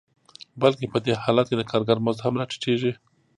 بلکې په دې حالت کې د کارګر مزد هم راټیټېږي